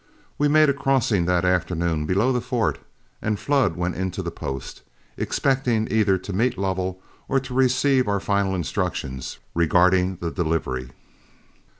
We made a crossing that afternoon below the Fort, and Flood went into the post, expecting either to meet Lovell or to receive our final instructions regarding the delivery.